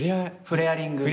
フレアリング。